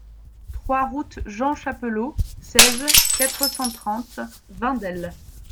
trois route Jean Chapelot, seize, quatre cent trente, Vindelle